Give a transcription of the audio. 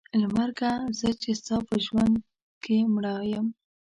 له مرګه زه چې ستا په ژوند کې مړه یم.